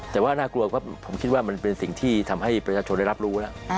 แต่ว่าน่ากลัวเพราะผมคิดว่ามันเป็นสิ่งที่ทำให้ประชาชนได้รับรู้แล้ว